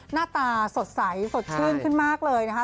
หน้าตาสดใสสดชื่นขึ้นมากเลยนะคะ